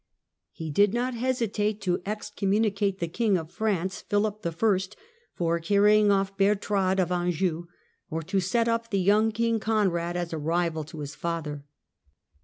He did not hesitate to excommunicate the king of France (see p. 52) for carrying off Bertrade of Anjou, or to set up the young King Conrad as a rival to his father.